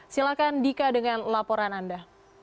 silakan dika dengan laporan anda